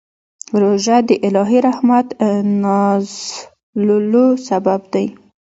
روژه د الهي رحمت نازلولو سبب دی.